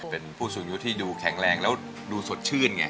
เป็นผู้สูงอายุที่ดูแข็งแรงแล้วดูสดชื่นไง